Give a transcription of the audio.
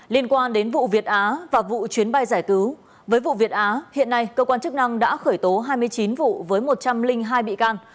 liên quan đến vụ việt á và vụ chuyến bay giải cứu với vụ việt á hiện nay cơ quan chức năng đã khởi tố hai mươi chín vụ với một trăm linh hai bị can